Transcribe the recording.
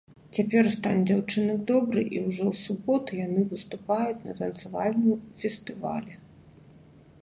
Цяпер стан дзяўчынак добры і ўжо ў суботу яны выступаюць на танцавальным фестывалі.